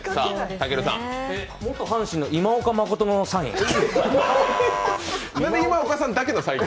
元阪神の選手のサイン。